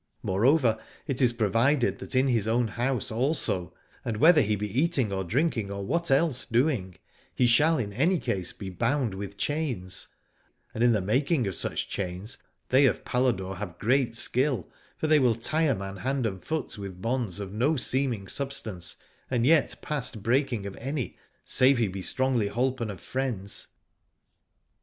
Moreover it is provided that in his own house also, and whether he be eating or drinking or what else doing, he shall in any case be bound with chains: and in the making of such chains they of Paladore have great skill, for they will tie a man hand and foot with bonds of no seeming substance, and yet past breaking of any, save he be strongly holpen of friends.